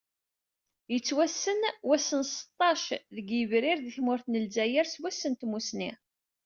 Yettwassen wass n seṭṭac deg yebrir di tmurt n Lezzayer, s wass n tmussni.